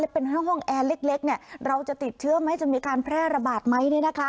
เป็นห้องแอร์เล็กเราจะติดเชื้อไหมจะมีการแพร่ระบาดไหม